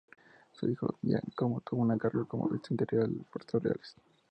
Su hijo Giacomo tuvo a su cargo como visitante real de Puertos reales.